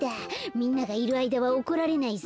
みんながいるあいだは怒られないぞ。